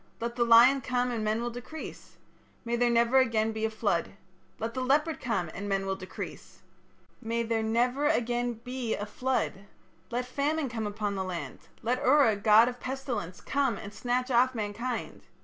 Let the lion come and men will decrease. May there never again be a flood. Let the leopard come and men will decrease. May there never again be a flood. Let famine come upon the land; let Ura, god of pestilence, come and snatch off mankind....